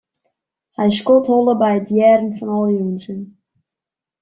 Hy skodholle by it hearren fan al dy ûnsin.